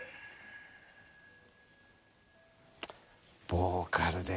ボーカルで。